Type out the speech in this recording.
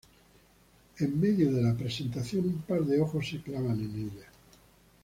En medio de la presentación un par de ojos se clavan en ella.